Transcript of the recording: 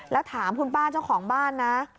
แล้วถามคุณป้าเจ้าของบ้านนะ